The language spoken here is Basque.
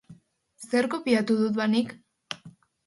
Zer kopiatu dut ba nik?